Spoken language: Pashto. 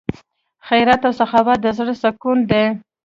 خیرات او سخاوت د زړه سکون دی.